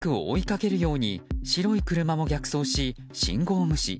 バイクを追いかけるように白い車も逆走し、信号無視。